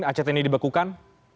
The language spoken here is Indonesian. act ini dibekukan